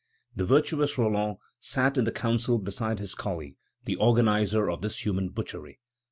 The virtuous Roland sat in the Council beside his colleague, the organizer of this human butchery.